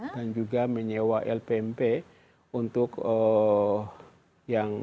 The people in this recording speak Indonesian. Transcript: dan juga menyewa lpmp untuk yang